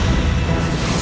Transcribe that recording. aku akan menang